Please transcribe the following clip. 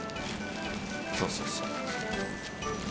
そうそうそう。